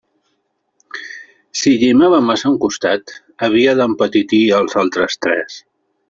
Si llimava massa un costat, havia d'empetitir els altres tres.